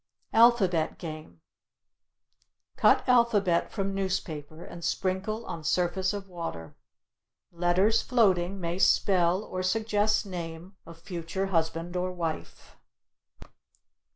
ALPHABET GAME Cut alphabet from newspaper and sprinkle on surface of water; letters floating may spell or suggest name of future husband or wife.